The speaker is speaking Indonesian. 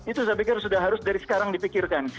itu saya pikir sudah harus dari sekarang dipikirkan